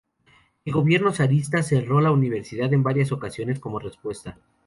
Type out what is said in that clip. El gobierno zarista cerró la universidad en varias ocasiones como respuesta.